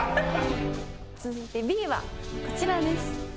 続いてＢはこちらです。